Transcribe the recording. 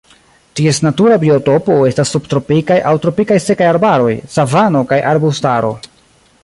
Ties natura biotopo estas subtropikaj aŭ tropikaj sekaj arbaroj, savano kaj arbustaro.